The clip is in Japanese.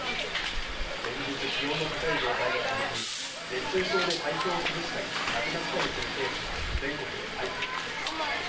連日、気温の高い状態が続き、熱中症で体調を崩したり、亡くなったりするケースが、全国で相次いでいます。